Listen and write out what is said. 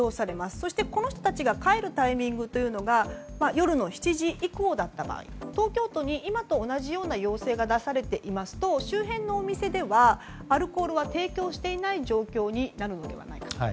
そして、この人たちが帰るタイミングというのが夜の７時以降だった場合東京都に今と同じような要請が出されていますと周辺のお店ではアルコールは提供していない状況になるのではないかという。